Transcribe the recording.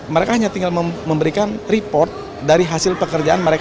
mereka hanya tinggal memberikan report dari hasil pekerjaan mereka